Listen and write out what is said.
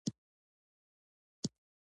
توندې خبرې اړیکې ماتوي.